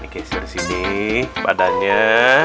keser sini badannya